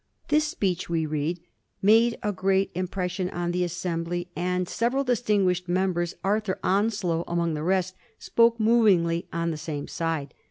This speech, we read, ^made a great impression on the Assembly,' and several distinguished members, Arthur Onslow among the rest, spoke strongly on the same side.